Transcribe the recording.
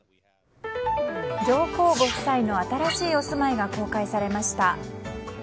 上皇ご夫妻の新しいお住まいが公開されました。